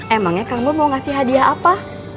emangnya kamu mau ngasih hadiah apa